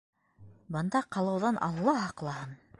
Бында ҡалыуҙан Алла һаҡлаһын!